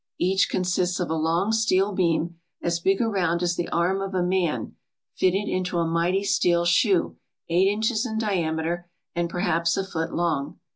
Each consists of a long steel beam as big around as the arm of a man fitted into a mighty steel shoe eight inches in diameter and perhaps a foot long.